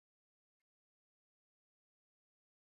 Umati wa watu ulifurushwa na mapolisi